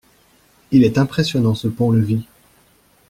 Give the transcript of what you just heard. Il est impressionnant ce pont-levis.